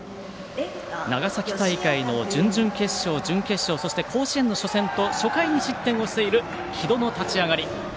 長崎大会の準々決勝、準決勝そして、甲子園の初戦と初回に失点をしている城戸の立ち上がり。